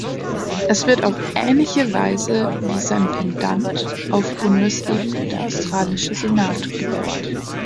Es wird auf ähnliche Weise wie sein Pendant auf Bundesebene – der Australische Senat – gewählt.